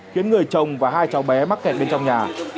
khiến người chồng và hai cháu bé mắc kẹt bên trong nhà